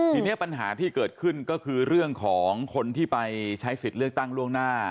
ทีนี้ปัญหาที่เกิดขึ้นก็คือเรื่องของคนที่ไปใช้สิทธิ์เลือกตั้งล่วงหน้า